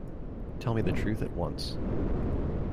Tell me the truth at once.